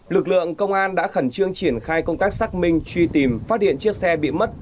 lực lượng công an đã khẩn trương triển khai công tác xác minh truy tìm phát điện chiếc xe bị mất